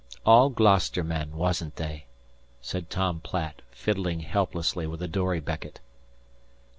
"All Gloucester men, wasn't they?" said Tom Platt, fiddling helplessly with a dory becket.